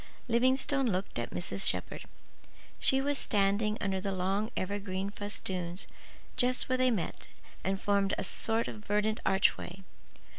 Livingstone looked at Mrs. Shepherd. She was standing under the long evergreen festoons just where they met and formed a sort of verdant archway.